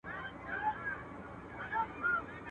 o خوار که خداى کړې، دا سپى نو چا کړې؟